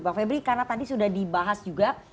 bang febri karena tadi sudah dibahas juga